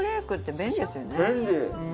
便利！